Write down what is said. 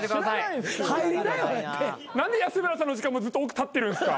何で安村さんの時間もずっと奥立ってるんですか。